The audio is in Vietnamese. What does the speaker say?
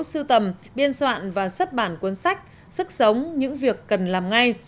sưu tầm biên soạn và xuất bản cuốn sách sức sống những việc cần làm ngay